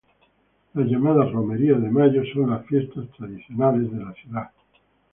Las llamadas Romerías de Mayo son las fiestas tradicionales de la ciudad.